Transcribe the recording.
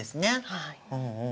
はい。